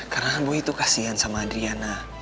karena boy itu kasihan sama adriana